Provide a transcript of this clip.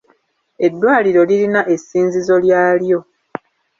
Eddwaliro lirina essinzizo lyalyo.